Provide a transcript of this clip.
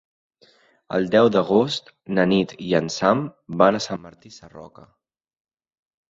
El deu d'agost na Nit i en Sam van a Sant Martí Sarroca.